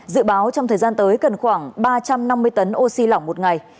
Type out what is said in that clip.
dự báo trong thời gian tới cần khoảng ba trăm năm mươi tấn oxy lỏng một ngày